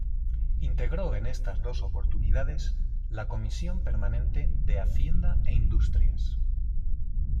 Integró en estas dos oportunidades la Comisión permanente de Hacienda e Industrias.